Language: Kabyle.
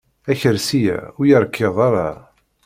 Akersi-a ur yerkid ara.